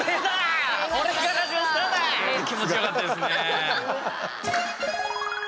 気持ちよかったですね。